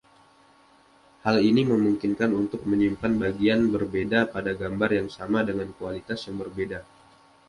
Hal ini memungkinkan untuk menyimpan bagian berbeda pada gambar yang sama dengan kualitas yang berbeda.